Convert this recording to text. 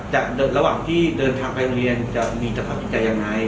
ระหว่างที่เดินทางไปเรียนจะมีสภาพจิตใจยังไง